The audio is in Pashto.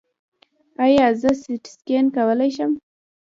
ایا زه سټي سکن کولی شم؟